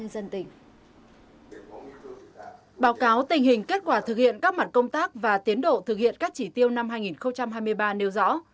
báo cáo tình hình kết quả thực hiện các mặt công tác và tiến độ thực hiện các chỉ tiêu năm hai nghìn hai mươi ba nêu rõ